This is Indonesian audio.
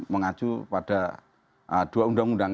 mengacu pada dua undang undang